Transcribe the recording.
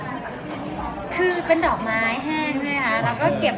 ดอกไม้เป็นความใหม่อะไรอย่างนั้นครับ